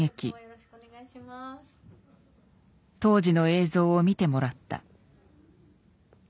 当時の映像を見てもらった。